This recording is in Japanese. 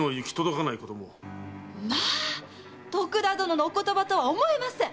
まあ⁉徳田殿のお言葉とは思えません！